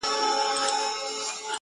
د مظلوم چیغي چا نه سوای اورېدلای!